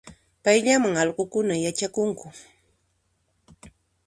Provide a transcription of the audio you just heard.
Payllaman allqunkuna yachakunku